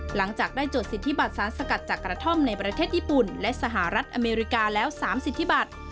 หลังจากได้จดสิทธิบัตรสารสกัดจากกระท่อมในประเทศญี่ปุ่นและสหรัฐอเมริกาแล้ว๓สิทธิบัตร